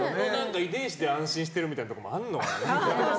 遺伝子で安心してるみたいなとこもあんのかな。